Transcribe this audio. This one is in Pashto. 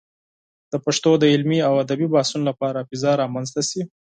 د پښتو د علمي او ادبي بحثونو لپاره فضا رامنځته شي.